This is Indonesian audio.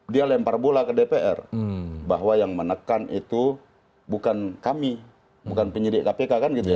dia lempar bola ke dpr bahwa yang menekan itu bukan kami bukan penyidik kpk kan gitu ya